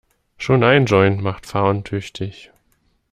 Schon ein Joint macht fahruntüchtig.